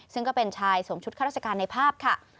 ซึ่งก็เป็นชายสวมชุดข้าราชการในภาพค่ะ